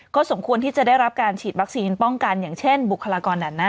สมควรที่จะได้รับการฉีดวัคซีนป้องกันอย่างเช่นบุคลากรด่านหน้า